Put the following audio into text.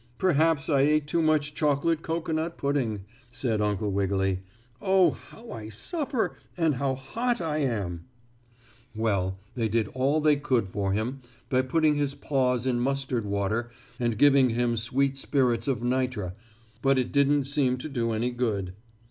"Perhaps I ate too much chocolate cocoanut pudding," said Uncle Wiggily. "Oh, how I suffer, and how hot I am." Well, they did all they could for him by putting his paws in mustard water and giving him sweet spirits of nitre, but it didn't seem to do any good.